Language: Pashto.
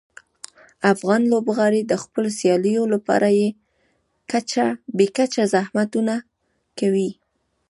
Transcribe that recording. افغان لوبغاړي د خپلو سیالیو لپاره بې کچه زحمتونه کوي.